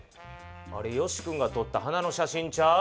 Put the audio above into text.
あれよし君がとった花の写真ちゃう？